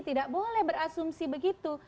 tidak boleh berasumsi begitu